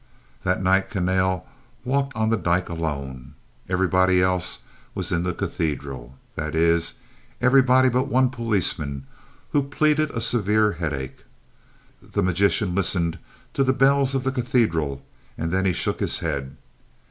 That night Kahnale walked on the dyke alone. Everybody else was in the cathedral. That is, everybody but one policeman, who pleaded a severe headache. The magician listened to the bells of the cathedral and then he shook his head.